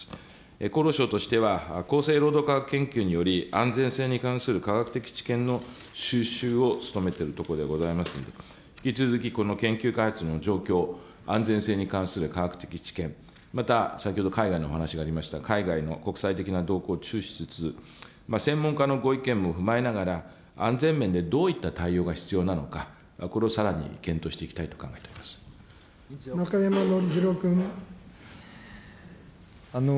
厚労省としては、厚生労働科学研究により、安全性に関する科学的知見の収集を努めているところでございますので、引き続きこの研究開発の状況、安全性に関する科学的知見、また先ほど海外のお話がありました、海外の国際的な動向を注視しつつ、専門家のご意見も踏まえながら、安全面でどういった対応が必要なのか、これをさらに検討していき中山展宏君。